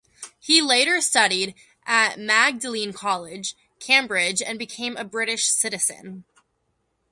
He later studied at Magdalene College, Cambridge, and became a British citizen.